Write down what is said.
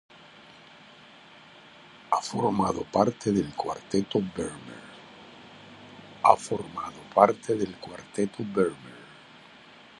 Ha formado parte del Cuarteto Vermeer.